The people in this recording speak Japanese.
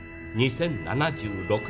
２０７６年。